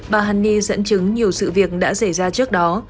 bà hằng nhi dẫn chứng nhiều sự việc đã xảy ra trước đó